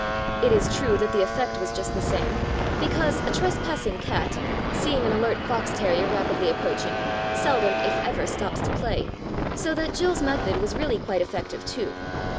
It is true that the effect was just the same, because a trespassing cat, seeing an alert fox terrier rapidly approaching, seldom, if ever, stops to play, so that Jill's method was really quite effec 239 "Puss cat" tive, too.